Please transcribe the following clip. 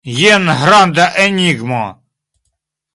Jen granda enigmo!